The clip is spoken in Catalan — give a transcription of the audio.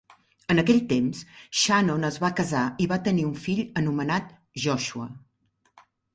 En aquell temps, Shannon es va casar i va tenir un fill anomenat Joshua.